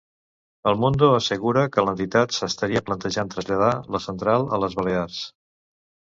El Mundo'assegura que l'entitat s'estaria plantejant traslladar la central a les Balears.